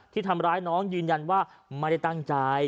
ที่ทำร้ายน้องยืนยันว่าไม่ได้ตั้งใจ